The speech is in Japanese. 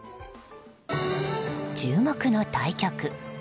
注目の対局。